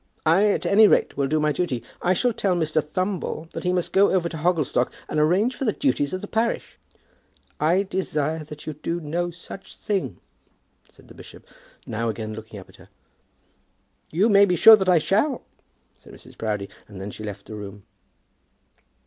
I, at any rate, will do my duty. I shall tell Mr. Thumble that he must go over to Hogglestock, and arrange for the duties of the parish." "I desire that you will do no such thing," said the bishop, now again looking up at her. "You may be sure that I shall," said Mrs. Proudie, and then she left the room.